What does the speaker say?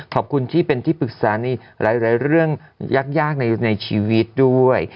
ขอบคุณที่เป็นที่ปรึกษาในหลายเรื่องยากในชีวิตด้วย